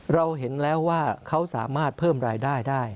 เราเห็นแล้วว่าเขาสามารถเพิ่มรายได้ได้